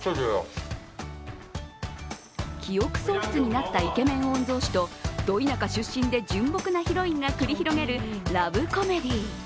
記憶喪失になったイケメン御曹司とド田舎出身の純朴なヒロインが繰り広げるラブコメディー。